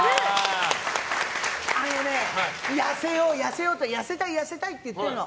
痩せよう、痩せよう痩せたい、痩せたいって言ってるの。